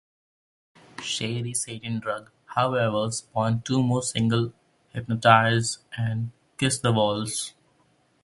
"Shady Satin Drug", however spawned two more singles, "Hypnotize" and "Kiss The Walls".